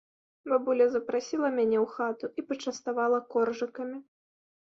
Бабуля запрасіла мяне ў хату і пачаставала коржыкамі.